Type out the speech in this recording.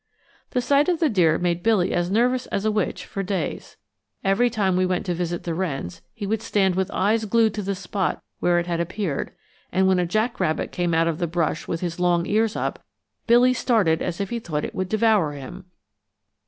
The sight of the deer made Billy as nervous as a witch for days. Every time we went to visit the wrens he would stand with eyes glued to the spot where it had appeared, and when a jack rabbit came out of the brush with his long ears up, Billy started as if he thought it would devour him.